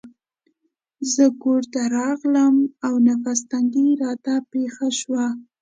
زه کورته راغلم او نفس تنګي راته پېښه شوه.